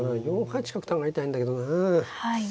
４八角上がりたいんだけど。